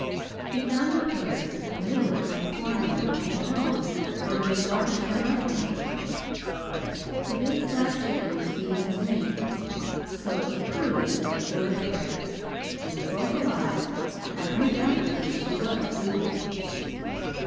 He found the pair the middle of one forenoon on the elm where he had watched their love making. The big black chicken was feeding his mate; so it was proved that they were a pair, they were both alive, and undoubtedly she was brooding.